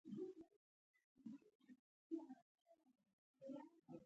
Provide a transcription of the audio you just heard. او په پوره تدبیر سره.